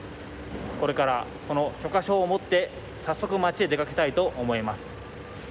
これから許可証を持って早速、街に出かけたいと思います。